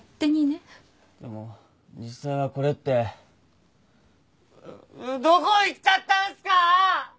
でも実際はこれってどこ行っちゃったんすか！？